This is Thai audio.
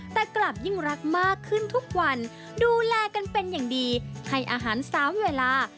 แต่กลับยิ่งรักมากขึ้นทุกวันดูแลกันเป็นอย่างดีให้อาหาร๓เวลา